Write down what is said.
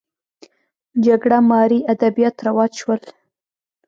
جګړه مارۍ ادبیات رواج شول